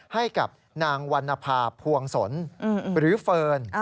ให้กับนางวรรณภาพวงศลหรือเฟิร์น